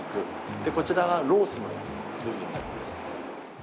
でこちらがロースの部分なんです。